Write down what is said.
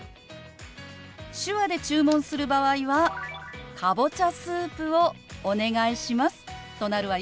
手話で注文する場合は「かぼちゃスープをお願いします」となるわよ。